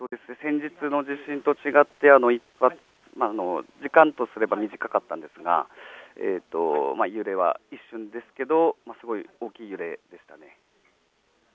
先日の地震と違って時間とすれば短かったんですが揺れは一瞬ですけどすごく大きい揺れでしたね。